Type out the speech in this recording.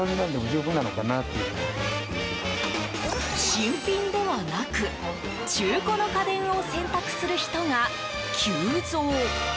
新品ではなく中古の家電を選択する人が急増。